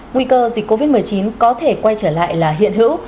nguy cơ dịch covid một mươi chín có thể quay trở lại là hiện hữu